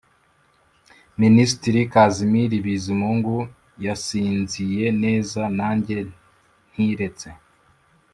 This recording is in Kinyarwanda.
minisitiri kazimiri bizimungu yasinziye neza nanjye ntiretse.